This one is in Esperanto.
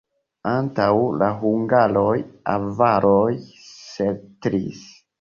Antaŭ la hungaroj avaroj setlis.